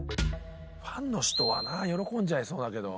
ファンの人はな喜んじゃいそうだけど。